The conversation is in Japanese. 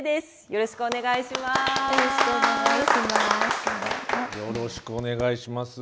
よろしくお願いします。